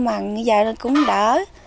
mà giờ cũng đỡ